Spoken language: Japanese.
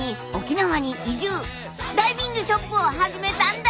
ダイビングショップを始めたんだ！